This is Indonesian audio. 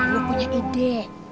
lo punya ide